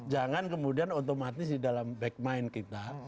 jangan kemudian otomatis di dalam back mind kita